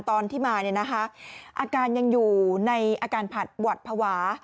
ตอนที่มาอาการยังอยู่ในอาการผัดหวัดภาวะ